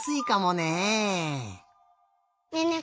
ねえねえ